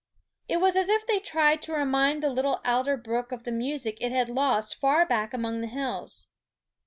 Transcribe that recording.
It was as if they tried to remind the little alder brook of the music it had lost far back among the hills.